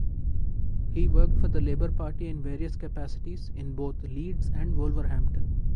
He worked for the Labour Party in various capacities in both Leeds and Wolverhampton.